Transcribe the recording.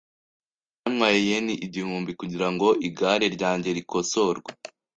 Byantwaye yen igihumbi kugirango igare ryanjye rikosorwe .